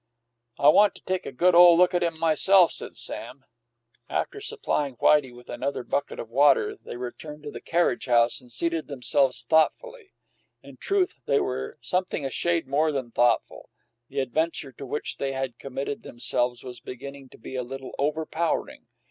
"I want to take a good ole look at him myself," said Sam. After supplying Whitey with another bucket of water, they returned to the carriage house and seated themselves thoughtfully. In truth, they were something a shade more than thoughtful; the adventure to which they had committed themselves was beginning to be a little overpowering.